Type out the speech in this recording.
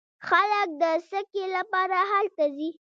خلک د سکي لپاره هلته ځي.